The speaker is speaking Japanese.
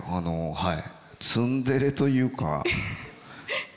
はい。